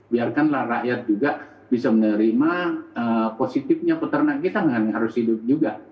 biarkanlah rakyat juga bisa menerima positifnya peternak kita nggak harus hidup juga